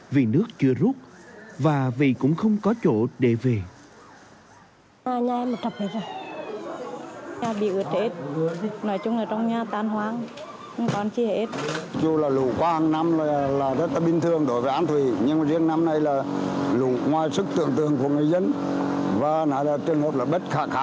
vì nước chưa rút và vì cũng không có chỗ để về